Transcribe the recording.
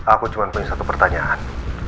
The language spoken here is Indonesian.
aku cuma punya satu pertanyaan